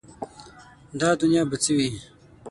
دا دنیا به څه وي ؟